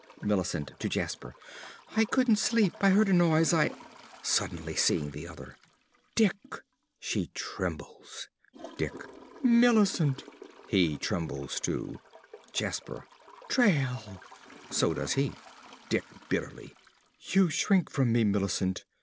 _ ~Millicent~ (to Jasper). I couldn't sleep I heard a noise I (suddenly seeing the other) Dick! (She trembles.) ~Dick.~ Millicent! (He trembles too.) ~Jasper.~ Trayle! (So does he.) ~Dick~ (bitterly). You shrink from me, Millicent.